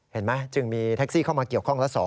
เห็นไหมจึงมีแท็กซี่เข้ามาเกี่ยวข้องละ๒